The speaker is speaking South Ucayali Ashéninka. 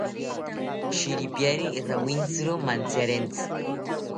Shiripiari rawintziro mantziarentsi